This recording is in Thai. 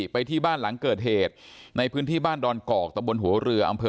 ไปที่บ้านหลังเกิดเหตุในพื้นที่บ้านดอนกอกตะบนหัวเรืออำเภอ